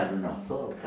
そうか。